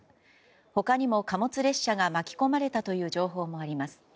他にも貨物列車が巻き込まれたという情報もあります。